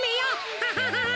ハハハハ！